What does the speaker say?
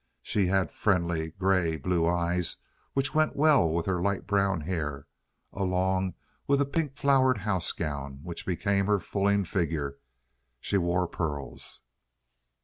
She had friendly gray blue eyes, which went well with her light brown hair; along with a pink flowered house gown, which became her fulling figure, she wore pearls.